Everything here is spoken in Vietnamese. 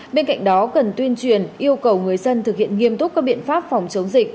bên cạnh đó cần tuyên truyền yêu cầu người dân thực hiện nghiêm túc các biện pháp phòng chống dịch